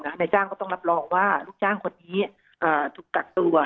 นายจ้างก็ต้องรับรองว่าลูกจ้างคนนี้ถูกกักตัว